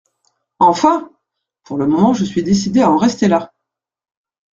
Enfin ! pour le moment, je suis décidée à en rester là !